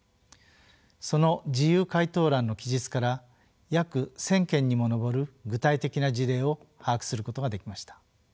その自由回答欄の記述から約１，０００件にも上る具体的な事例を把握することができました。